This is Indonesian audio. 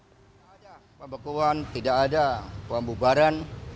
tidak ada pembekuan tidak ada pembubaran